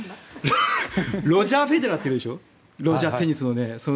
ロジャー・フェデラーっているでしょ、テニスのね。